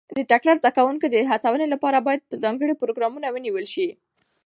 د تکړه زده کوونکو د هڅونې لپاره باید ځانګړي پروګرامونه ونیول شي.